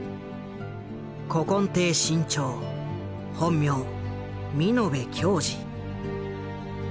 古今亭志ん朝本名美濃部強次」。